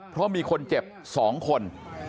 เพราะมีคนเจ็บ๒คน